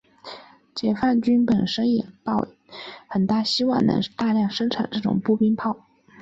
解放军本身也很希望能大量生产这种步兵炮。